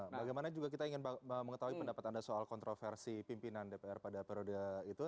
bagaimana juga kita ingin mengetahui pendapat anda soal kontroversi pimpinan dpr pada periode itu